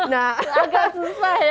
nah agak susah ya